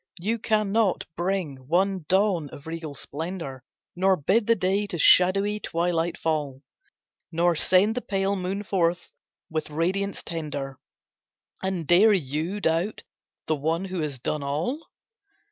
You cannot bring one dawn of regal splendour, Nor bid the day to shadowy twilight fall, Nor send the pale moon forth with radiance tender— And dare you doubt the One who has done all?